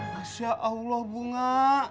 masya allah bunga